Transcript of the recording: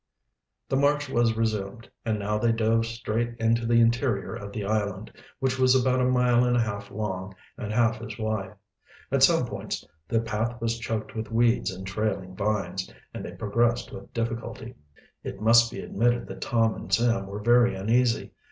The march was resumed, and now they dove straight into the interior of the island, which was about a mile and a half long and half as wide. At some points the path was choked with weeds and trailing vines, and they progressed with difficulty. It must be admitted that Tom and Sam were very uneasy.